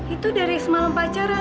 itu dari semalam pacaran